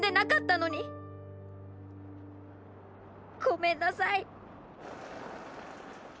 ごめんなさい！